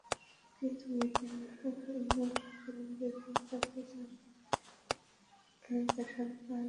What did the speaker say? কিন্তু মজনুর পরিবারের কেউ তাঁকে ও তাঁর সন্তানদের মেনে নিচ্ছে না।